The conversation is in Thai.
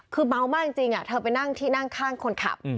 คือเมามากจริงเธอไปนั่งที่นั่งข้างคนขับ